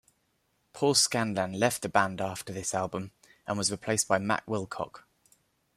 Paul Scanlan left the band after this album, and was replaced by Matt Wilcock.